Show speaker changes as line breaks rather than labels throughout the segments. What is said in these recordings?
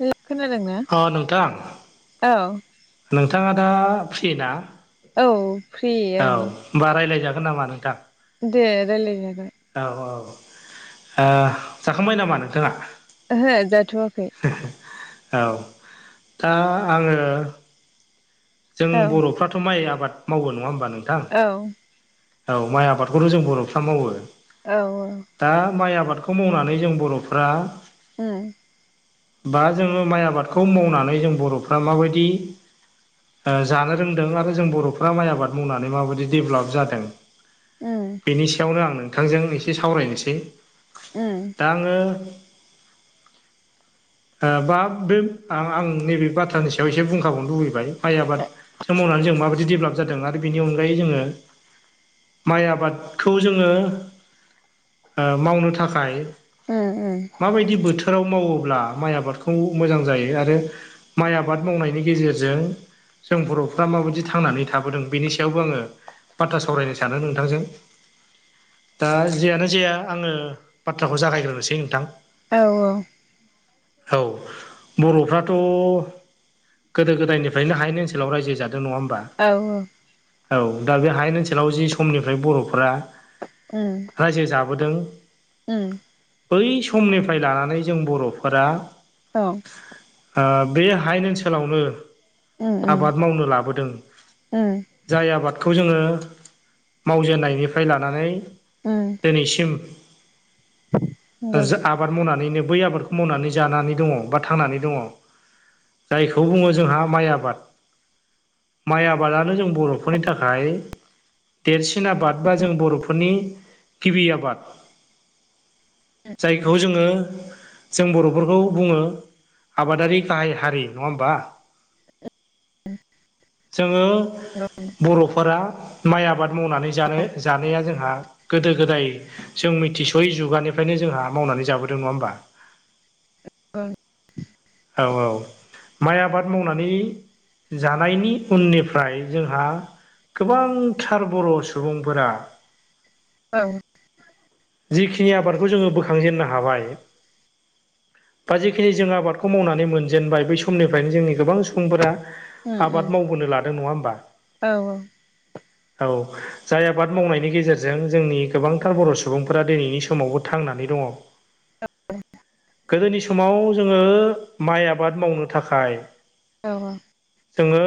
हेल' खोनादोंना
अ नोंथां
औ
नोंथाङा दा फ्रि ना
औ फ्रिआनो।
होनबा रायजायजागोन नामा नोंथां
देे रायलाय जागोन
औ औ जाखांबाय नामा नोंथाङा।
ओह जाथ'वाखै
औ दा आङो जों
औ
बर'फ्राथ' माइ आबाद मावगो नङा होमबा नोंथां?
औ
औ माइ आबादखौथ' जों बर'फ्रा मावो
औ औ
दा माइ आबादखौ मावनानै जों बर'फ्रा
ह [unintelligible]
बा जोङो माइ आबादखौ मावनानै जों बर'फ्रा माबायदि जानो रोंदों आरो जों बर'फ्रा माइ आबाद मावनानै माबायदि डेभलप जादों।
उम
बेनि सायावनो आं नोंथांजों एसे सावरायनोसै
उम
दा आङो बा बे आं नैबे बाथ्रानि सायाव एसे बुंखाबावनो लुबैबाय माइ आबादखौ मावनानै जों माबायदि डेभेलप जादों आरो बेनि अनगायै जोङो माइ आबादखौ जोङो मावनो थाखाय
ओ ओ
माबायदि बोथोराव मावोब्ला माइ आबादखौ मोजां जायो आरो माइ आबाद मावनायनि गेजेरजों जों बर'फ्रा माबायदि थांनानै थाबोदों बेनि सायावबो आङो बाथ्रा सावरायनो सानो नोंथांजों दा जेयानो जाया आङो बाथ्राखौ जागायग्रोनोसै नोंथां
औ औ
औ बर'फ्राथ' गोदो गोदायनिफ्रायनो हाय बे ओनसावायजो रायजो जादों नङा होनबा
औ औ
औ दा बे हायेन ओनसोलाव जि समनिफ्राय बर'फोरा
ओ
रायजोे जाबोदों
उम
बै समनिफ्राय लानानै जों बर'फोरा
औ
आ हाइेन ओनसोलावनो
उम उम
आबाद मावनो लाबोदों।
उम
जाय आबादखौ जोङो मावजेननायनिफ्राय लानानै
ओ
दिनसिम
नंगौ
[unintelligible] आबाद मावनानैनो बै आबादखौ मावनानै जानानै दङ बा थांनानै दङ। जायखौ बुङो जोंहा माइ आबाद माइ आबादानो जों बर'फोरनि थाखाय देरसिन आबाद बा जों बर'फोरनि गिबि आबाद। जायखौ जोङो जों बर'फोरखौ बुङो आबादारि गाहाय हारि नङा होमबा? जोङो
नंगौ
बर'फोरा माइ आबाद मावनानै जानो जानाया जोंहा गोदो- गोदाय जों मिथिस'यै जुगानिफ्रायनो जोंहा मावनानै जाबोदों नङा होमबा
ओं
औ औ माइ आबाद मावनानै जानायनि उननिफ्राय जोंहा गोबांथार बर' सुबुंफोरा
औ
जिखिनि आबादखौ जोङो बोखांजेननो हाबाय दा जिखिनि जों आबादखौ मावनानै मोनजेनबाय बै समनिफ्रायनो जोंनि गोबां सुबुंफोरा
उम उम
आबाद मावबोनो लादों नङा होमबा
औ
औ। जाय आबाद मावनायनि गेजेरजों जोंनि गोबांथार बर' सुबुंफोरा दिनैनि समावबो थांनानै दङ। गोदोनि समाव जोङो माइ आबाद मावनो थाखाय।
औ औ।
जोङो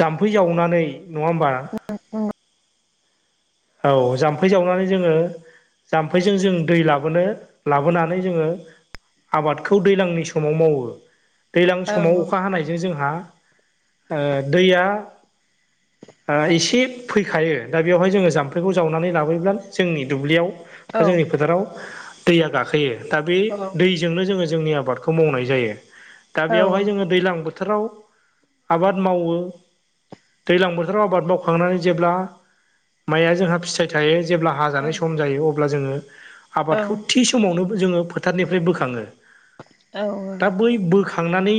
जाम्फै जावनानै नङा होमबा
[unintelligible]
औ जाम्फै जावनानै जोङो जाम्फैजों जों दै लाबोनो लाबोनानै जोङो आबादखौ दैज्लांनि समाव मावो दैज्लां
औ औ
समाव अखा हानायजों जोंहा दैया एसे फैखायो दा बेवहाय जोङो जाम ओंख्रिखौ जावनानै लाबोब्लानो जोंनि दुब्लियाव
औ
बा जोंनि फोथाराव दैया गाखोयो दा बे
औ
दैजोंनो जोङो जोंनि आबादखौ मावनाय जायो दा बेयावहाय जोङो दैलां बोथोर बोथोराव आबाद मावो दैज्लां बोथोराव आबाद मावखांनानै जेब्ला माइया जोंहा फिथाइ थायो जेब्ला हाजानाय सम जायो अब्ला जोङो आबादखौ थि समावनो जोङो फोथारनिफ्राय बोखाङो दा बै बो थांनानै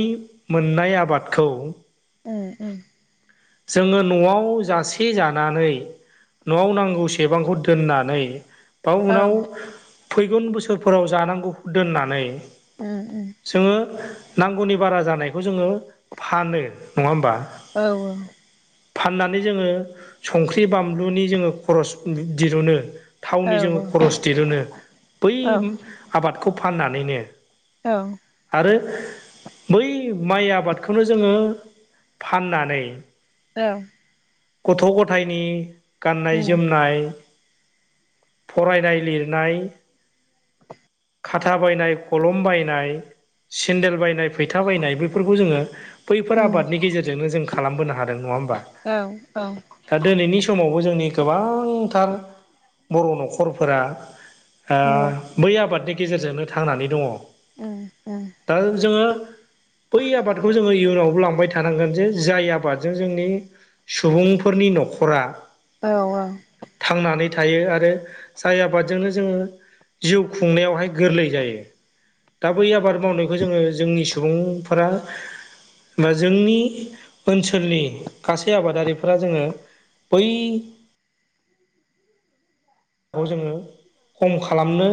मोननाय आबादखौ
उम ओ।
जोङो न'आव जासे जानानै न'आव नांगौ सेबांखौ दोननानै बा
औ
उनाव फैगोन बोसोरफोराव जानांगौ दोननानै
उम उम।
जोङो नांगौनि बारा जानायखौ जोङो फानो नङा होमबा?
औ औ।
फाननानै जोङो संख्रि बानलुनि जोङो खरस दिरुनो
औ
थावनि जोङो खरस दिरुनो बै
औ
आबादखौ फाननानैनो
औ।
आरो बै माइ आबादखौनो जोङो फाननानै
औ।
गथ' गथायाइनि गाननाय जोमनाय फरायनाय लिरनाय खाथा बायनाय खलम बायनाय सेन्देल बायनाय फैथा बायनाय बेफोरखौ जोङो बैफोर आबादनि गेजेरजोंनो जों खालामबोनो हादों [unintelligible] दा दिनै नि समावबो जोंनि गोबांथार बर' न'खरफोरा ओ बै आबादनि गेजेरजोंनो थांनानै दङ दा जोङो बै आबादखौ जोङो इयुनावबो लांबाय थानांगोन जे जाय आबादजों जोंनि सुबुंफोरनि न'खरा
औ औ।
थांनानै थायो आरो जाय आबादजोंनो जोङो जिउ खुंनायावहाय गोरलै जायो। दा बै आबाद मावनायखौ जोङो जोंनि सुबुंफोरा बा जोंनि ओनसोलनि गासै आबादारिफोरा जोङो बै। खौ जोङो खम खालामनो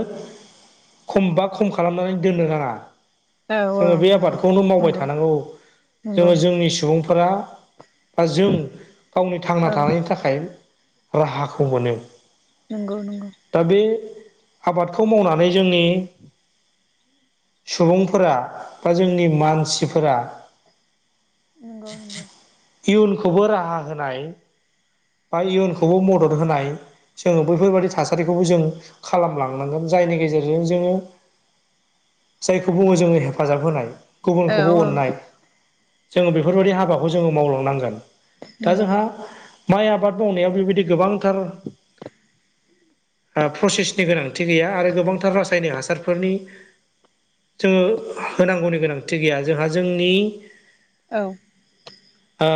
खमबा खम खालामनानै दोननो नाङा जोङो बे आबादखौनो मावबाय थानांगौ जोङो जोंनि सुबुंफोरा बा जों गावनि थांना थानायनि थाखाय राहाखौ मोनो
नंगौ नंगौ।
दा बे आबादखौ मावनानै जोंनि सुबुंफोरा बा जोंनि मानसिफोरा
नंगौ
[inaudible] इयुनखौबो राहा होनाय बा इयुनखौबो मदद होनाय जोङो बैफोरबादि थासारिखौबो जों खालामलांनांगोन जायनि गेजेरजों जोङो जायखौ बुङो जोङो हेफाजाब होनाय गुबुनखौबो अननाय जोङो बेफोरबायदि हाबाखौ जोङो मावलांनांगोन दा जोंहा माइ आबाद मावनायाव बेबायदि गोबांथार आ फ्रसेसनि गोनांथि गैया आरो गोबांथार रासायनिक हासारफोरनि जोङो होनांगौनि गोनांथि गैया जोंहा जोंनि
औ।
ओ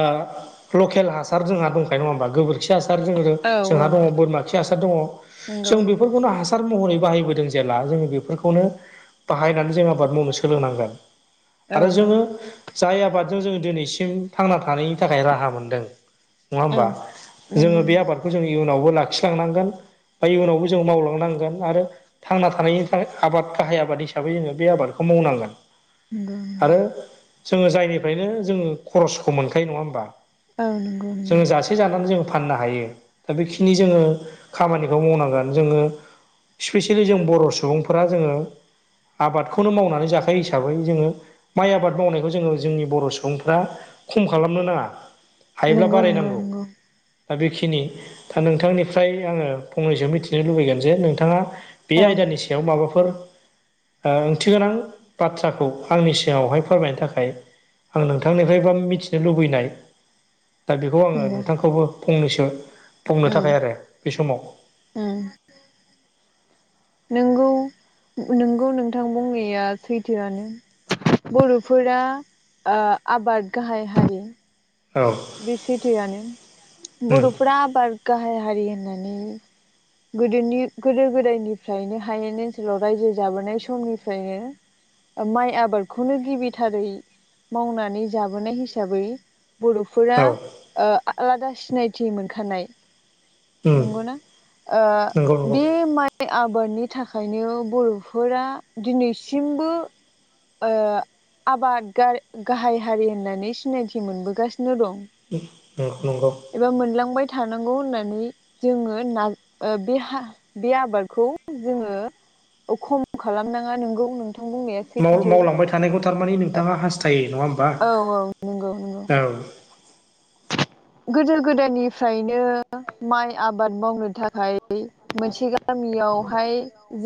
लखेल हासार जोंहा दंखायो नङा होमबा गोबोर खि हासार जों रो जोंहा दङ बोरमा खि हासार दङ जों फोरखौनो हासा हासार महरै बाहायबोदों जेला जोङो बेफोरखौनो बाहायनानै जों आबाद मावनो सोलोंनांगोन। आरो जोङो जाय आबादजों जोङो दिनैसिम थांना थानायनि थाखाय राहा मोनदों नङा होमबा जोङो बे आबादखौ जों इयुनावबो लाखिलांनांगोन। बाय इयनावबो जों मावलांनांगोन आरो थांना थानायनि थाखाय आबाद गाहाय आबाद हिसाबै जोङो बे आबादखौ मावनांगोन।
नोंगौ।
आरो जोङो जायनिफ्रायनो जोङो खरसखौ मोनखायो नङा होमबा?
औ नोंगौ नोंगौ।
[unintelligible] जानानै जों फाननो हायो दा बेखिनि जोङो खामानिखौ मावनांगोन जोङो स्पेसियेलि जों बर' सुबुंफोरा जोङो आबादखौनो मावनानै जाखायो हिसाबै जोङो माइ आबाद मावनायखौ जोङो जोंनि बर' सुबुंफ्रा खम खालामनो नाङा। हायोब्ला बारायनांगौ।
नंगौ
दा बेखिनि दा नोंथांनिफ्राय आङो फंनैसो मिथिनो लुबैगोन जे नोंथाङा बे
औ
आयदानि सायाव माबाफोर ओ ओंथि गोनां बाथ्राखौ आंनि सिगाङावहाय फोरमायनो थाखाय आं नोंथांनिफ्रायबा मिथिनो लुबैनाय दा बेखौ आङो नोंथांखौबो फंनैसो बुंनो थाखाय आरो बे समाव।
औ नंगौ नोंगौ नोंगौ नोंथां बुंनाया सैथोआनो। बर'फोरा ओ आबाद गाहाय हारि।
औ।
बे सैथोआनो
उम
बर'फोरा आबाद गाहाय हारि होननानै गोदोनि गोदो गोदायनिफ्रायनो हायेन ओनसोलाव रायजो जाबोनाय समनिफ्रायनो माइ आबादखौनो गिबिथारै मावनानै जाबोनाय हिसाबै बर'फ फोरा
औ
ओ आलादा सिनायथि मोनखानाय।
उम
नोंगौ ना ओ
नंगौ नंगौ
बे माइ बे आबादनि थाखायनो बर'फोरा दिनैसिमबो ओ आबाद गार गाहाय हारि होननानै सिनायथि मोनबोगास नो गौ।
[unintelligible] नोंगौ।
एबा मोनलांबाय थानांगौ होननानै जोङो ना ओ बे हा बे आबादखौ जोङो औ खम खालामनाङा नोंगौ नोंथां बुंनाया
माव
सैथो
मावलांबाय थानायखौ थारमाने नोंथाङा हास्थायो नङा होमबा
औ औ नंगौ नंगौ
औ।
गोदो गोदायनिफ्रायनो माइ आबाद मावनो थाखाय मोनसे गामियावहाय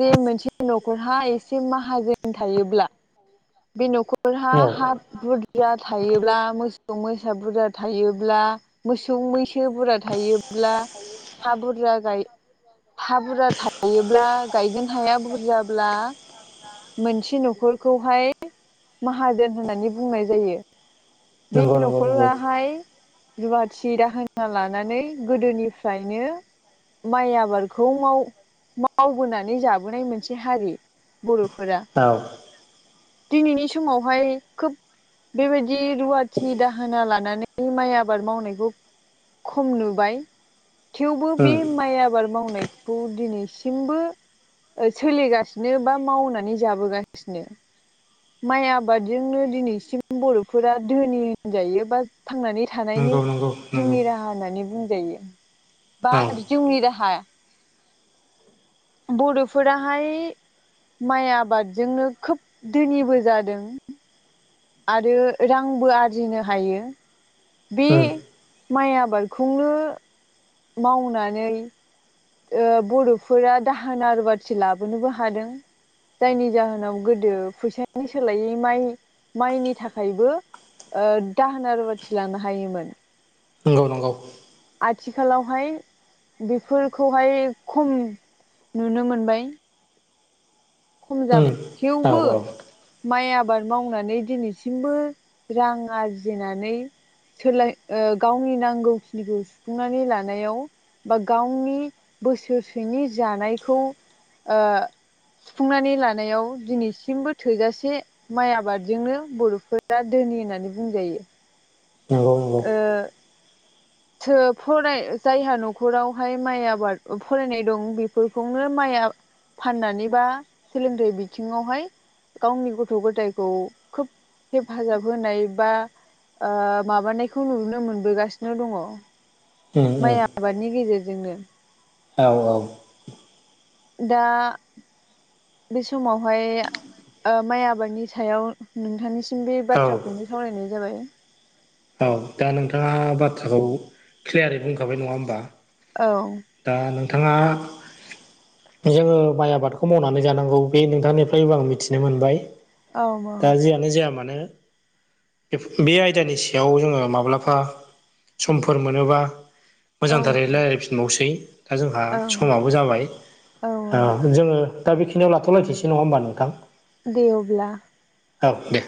जे मोनसे न'खरहा एसे माहाजोन थायोब्ला बे न'खरहा
औ
हा बुरजा थायोब्ला मोसौ मैसा बुरजा थायोब्ला मोसौ मैसो बुरजा थायोब्ला हा बुरजा गाय हा बुरजा थायोब्ला गायगोन हाया बुरजाब्ला मोनसे न'खरखौहाय माहाजोन होननानै बुंनाय जायो बे
नंगौ नंगौ नंगौ
न'खराहाय रुवाथि दाहोना लानानै गोदोनिफ्रायनो माइ आबादखौ माव मावबोनानै जाबोनाय मोनसे हारि बर'फोरा
औ
दिनैनि समावहाय खोब बेबायदि रुवाथि दाहोना लानानै माइ आबाद मावनायखौ खम नुबाय थेवबो बे
उम
माइ आबाद मावनायखौ बे खौ दिनैसिमबो सोलिगासिनो बा मावनानै जाबोगासिनो माइ आबादजोंनो दिनैसिम बर'फोरा धोनि होनजायो बा थांनानै थानायनि
नंगौ नंगौ नंगौ
जिउनि राहा होननानै बुंजायो बा
औ
जिउनि राहा बर'फोराहाय माइ आबादजोंनो खोब धोनिबो जादों आरो रांबो आरजिनो हायो बे
उम
माइ आबादखौनो मावनानै ओ बर'फोरा दाहोना रुवाथि लाबोनोबो हादों। जायनि जाहोनाव गोदो फैसानि सोलायै माइ माइनि थाखायबो दाहोन रुवाथि लानो हायोमोन।
नंगौ नंगौ
आथिखालावहाय बेफोरखौहाय खम नुनो मोनबाय। खम
उम
जाबाय
औ
थेवबो।
औ
माइ आबाद मावनानै दिनैसिमबो रां आरजिनानै सोलाय ओ गावनि नांगौखिनिखौ सुफुंनानै लानायाव बा गावनि बोसोरसेनि जानायखौ ओ सुफुंनानै लानायाव दिनैसिमबो थोजासे माइ आबादजोंनो बर'फोरा धोनि होननानै बुंजायो।
नंगौ नंगौ।
ओ सो फराय जायहा न'खरावहाय माइ आबाद फरायनाय दं बेफोरखौनो माइ फाननानै बा सोलोंथाइ बिथिङावहाय गावनि गथ' गथायखौ खोब हेफाजाब होनाय बा ओ माबानायखौ नुनो मोनबोगासिनो दङ।
उम उम
माइ आबादनि गेजेरजोंनो
औ औ
दा बे समावहाय ओ माइ आबादनि सायाव नोंथांनि सिम बे
औ
बाथ्राखौनो सावरायनाय जाबाय।
औ दा नोंथाङा बाथ्राखौ क्लियारै बुंखाबाय नङा होमबा
औ
दा नोंथाङा जोङो माइ आबादखौ मावनानै जानांगौ बे नोंथांनिफ्रायबो आं मिथिनो मोनबाय दा जियानो जाया मानो बे आयदानि सायाव जोङो माब्लाबा समफोर मोनोबा
औ
मोजांथारै रायलायफिनबावसै दा जोंहा
औ
समाबो जाबाय औ जोङो दा बेखिनियाव लाथ'लखिसै नङा होमबा नोंथां
दे अब्ला
औ दे